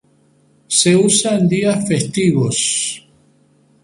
Se usa en días festivos.